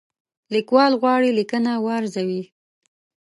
لیکوال غواړي لیکنه وارزوي.